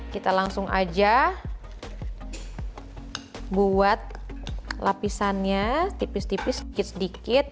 kita langsung aja buat lapisannya tipis tipis sedikit sedikit